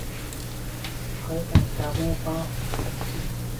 海格教咩科？